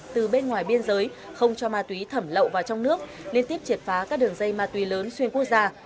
từ bên ngoài biên giới không cho ma túy thẩm lậu vào trong nước liên tiếp triệt phá các đường dây ma túy lớn xuyên quốc gia